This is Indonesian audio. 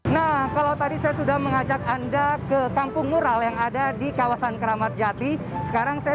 nah kalau tadi saya sudah mengajak anda ke kampung mural yang ada di kawasan keramat jati sekarang saya